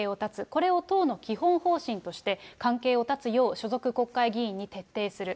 これを党の基本方針として、関係を断つよう所属国会議員に徹底する。